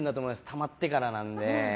たまってからなんで。